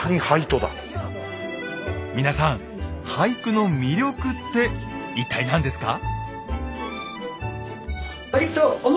皆さん俳句の魅力って一体何ですか？